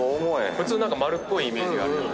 普通丸っぽいイメージがある。